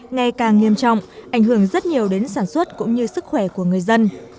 ngày càng nghiêm trọng ảnh hưởng rất nhiều đến sản xuất cũng như sức khỏe của người dân